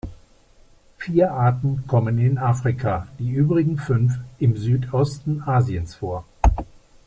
Vier Arten kommen in Afrika, die übrigen fünf im Südosten Asiens vor.